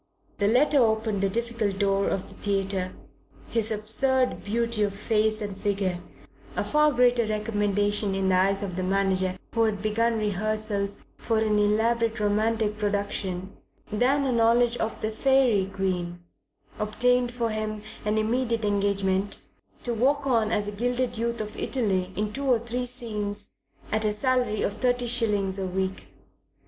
The letter opened the difficult door of the theatre. His absurd beauty of face and figure, a far greater recommendation in the eyes of the manager who had begun rehearsals for an elaborate romantic production than a knowledge of The Faerie Queene, obtained for him an immediate engagement to walk on as a gilded youth of Italy in two or three scenes at a salary of thirty shillings a week.